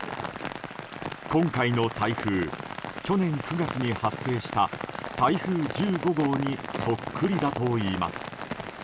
今回の台風去年９月に発生した台風１５号にそっくりだといいます。